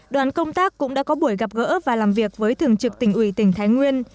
đoàn công tác cũng đã có buổi gặp gỡ và làm việc với thường trực tỉnh ủy tỉnh thái nguyên